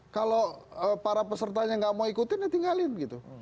kalau para pesertanya nggak mau ikutin ya tinggalin gitu